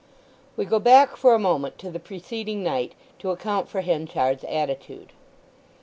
We go back for a moment to the preceding night, to account for Henchard's attitude.